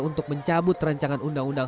untuk mencabut rancangan undang undang